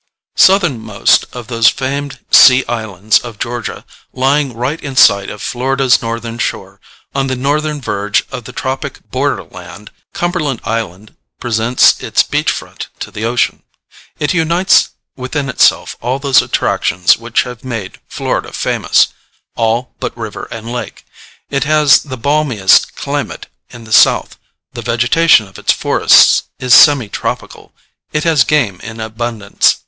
Southernmost of those famed "Sea Islands" of Georgia, lying right in sight of Florida's northern shore, on the northern verge of the tropic border land, Cumberland Island presents its beach front to the ocean. It unites within itself all those attractions which have made Florida famous all but river and lake: it has the balmiest climate in the South; the vegetation of its forests is semi tropical; it has game in abundance.